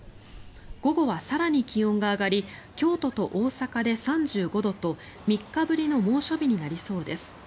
午後は更に気温が上がり京都と大阪で３５度と３日ぶりの猛暑日になりそうです。